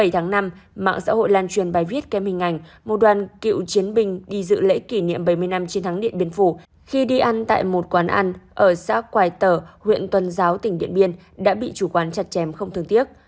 trên bài viết kém hình ảnh một đoàn cựu chiến binh đi dự lễ kỷ niệm bảy mươi năm chiến thắng điện biên phủ khi đi ăn tại một quán ăn ở xã quài tở huyện tuần giáo tỉnh điện biên đã bị chủ quán chặt chém không thương tiếc